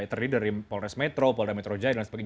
terdiri dari polres metro polda metro jaya dan sebagainya